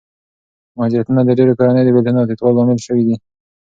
مهاجرتونه د ډېرو کورنیو د بېلتون او تیتوالي لامل شوي دي.